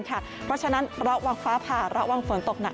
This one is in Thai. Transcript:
เพราะฉะนั้นระวังฟ้าผ่าระวังฝนตกหนัก